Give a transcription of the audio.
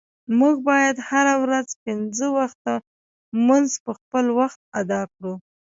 مونږه باید هره ورځ پنځه وخته مونز په خپل وخت اداء کړو.